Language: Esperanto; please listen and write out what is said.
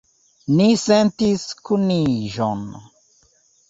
Ni sentis kuniĝon.